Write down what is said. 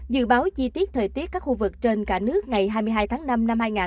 dự báo chi tiết thời tiết các khu vực trên cả nước ngày hai mươi hai tháng năm năm hai nghìn hai mươi bốn